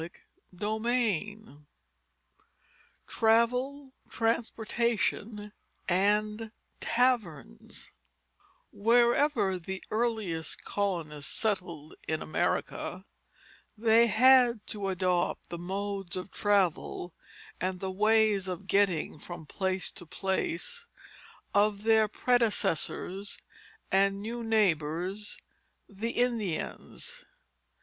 CHAPTER XIV TRAVEL, TRANSPORTATION, AND TAVERNS Wherever the earliest colonists settled in America, they had to adopt the modes of travel and the ways of getting from place to place of their predecessors and new neighbors, the Indians.